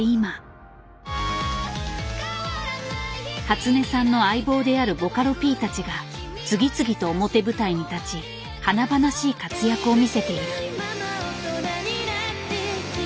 初音さんの相棒であるボカロＰたちが次々と表舞台に立ち華々しい活躍を見せている。